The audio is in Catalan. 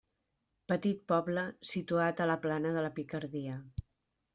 Petit poble situat a la plana de la Picardia.